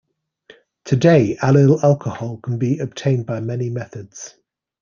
Today allyl alcohol can be obtained by many methods.